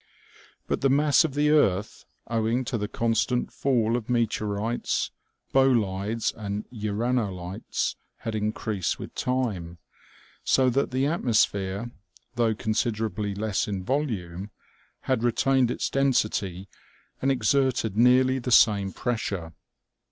But the mass of the earth, owing to the constant fall of meteorites, bolides and uranolites, had increased with time ; so that the atmosphere, though considerably less in volume, had retained its density and exerted nearly the same pressure.